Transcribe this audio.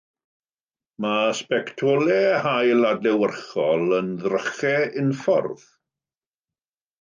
Mae sbectolau haul adlewyrchol yn ddrychau unffordd.